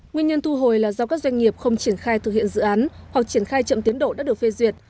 nguyên nhân thu hồi là do các doanh nghiệp không triển khai thực hiện dự án hoặc triển khai chậm tiến độ đã được phê duyệt